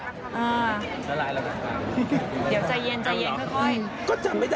เดี๋ยวใจเย็นค่อยก็จำไม่ได้หรอก